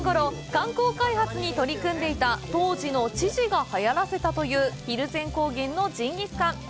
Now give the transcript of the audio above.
観光開発に取り組んでいた当時の知事がはやらせたという蒜山高原のジンギスカン。